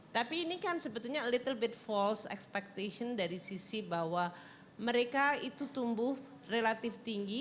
tapi ini kan sebetulnya little bit false expectation dari sisi bahwa mereka itu tumbuh relatif tinggi